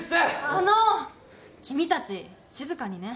あの君たち静かにね。